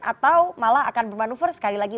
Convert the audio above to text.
atau malah akan bermanuver sekali lagi